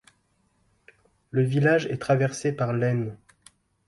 Le village est traversé par l'Aisne.